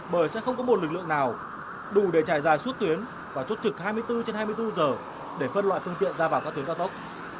bởi sẽ không có một lực lượng nào đủ để trải dài suốt tuyến và chốt trực hai mươi bốn trên hai mươi bốn giờ để phân loại phương tiện ra vào các tuyến cao tốc